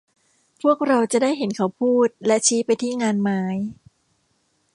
พวกเราจะได้เห็นเขาพูดและชี้ไปที่งานไม้